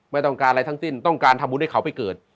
ไม่ต้องการอะไรทั้งสิ้นต้องการทำบุญให้เขาไปเกิด